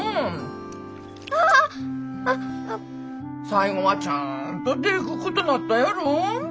最後はちゃんとでくっことなったやろ。